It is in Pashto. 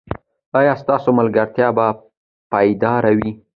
ایا ستاسو ملګرتیا به پایداره وي؟